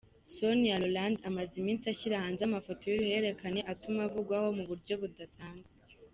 Sonia Rolland amaze iminsi ashyira hanze amafoto y’uruhererekane atuma avugwaho mu buryo budasanzwe.